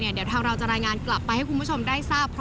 เดี๋ยวทางเราจะรายงานกลับไปให้คุณผู้ชมได้ทราบ